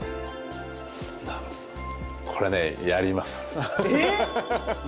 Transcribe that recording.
これ、やります。